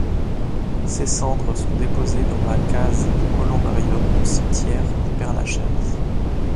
Ses cendres sont déposées dans la case du columbarium du cimetière du Père-Lachaise.